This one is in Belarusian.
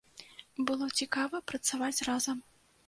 Было цікава працаваць разам.